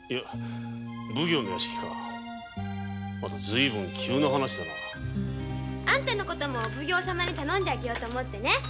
随分と急な話だな。あんたの事もお奉行様に頼んであげようと思ってね。